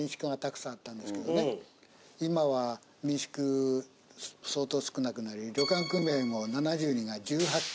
今は民宿相当少なくなり旅館組合も７２が１８軒。